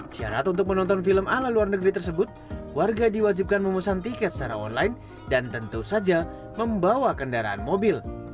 syarat untuk menonton film ala luar negeri tersebut warga diwajibkan memesan tiket secara online dan tentu saja membawa kendaraan mobil